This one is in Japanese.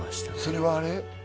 それはあれ？